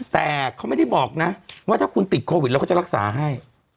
แต่เขาไม่ได้บอกนะว่าถ้าคุณติดโควิดเราก็จะรักษาให้